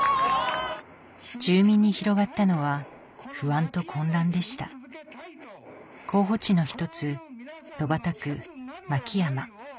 住民に広がったのは不安と混乱でした候補地の１つ戸畑区牧山